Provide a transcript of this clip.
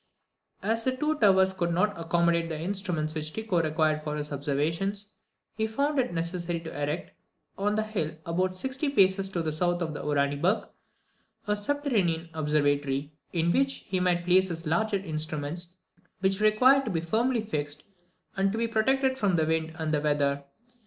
As the two towers could not accommodate the instruments which Tycho required for his observations, he found it necessary to erect, on the hill about sixty paces to the south of Uraniburg, a subterranean observatory, in which he might place his larger instruments, which required to be firmly fixed, and to be protected from the wind and the weather.